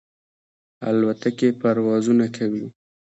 الوتکې پروازونه کوي.